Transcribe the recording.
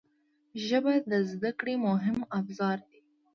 ژبه د زده کړې مهم ابزار دی